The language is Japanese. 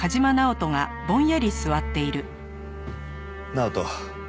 直人。